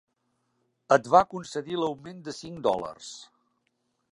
Et va concedir l'augment de cinc dòlars.